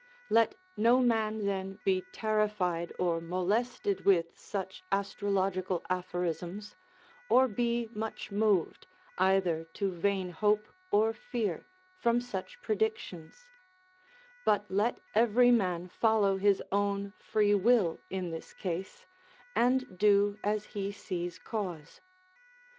let no man then be terrified or molested with such astrological aphorisms, or be much moved, either to vain hope or fear, from such predictions, but let every man follow his own free will in this case, and do as he sees cause.